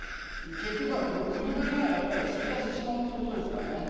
結局は国がやっぱり衰退してしまうということですからね。